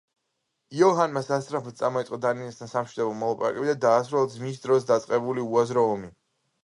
იოჰანმა სასწრაფოდ წამოიწყო დანიასთან სამშვიდობო მოლაპარაკებები და დაასრულა ძმის დროს დაწყებული უაზრო ომი.